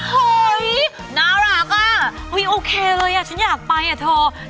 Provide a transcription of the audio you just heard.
เฮ้ยน่ารักอ่ะโอเคเลยอ่ะฉันอยากไปอ่ะเธอ